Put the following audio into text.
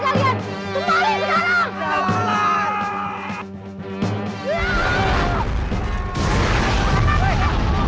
jangan kabur kalian kembali